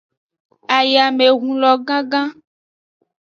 Ayamehun lo gangan.